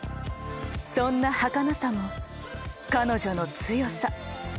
そんなはかなさも彼女の強さ」。